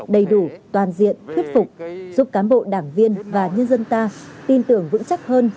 đầy đủ toàn diện thuyết phục giúp cán bộ đảng viên và nhân dân ta tin tưởng vững chắc hơn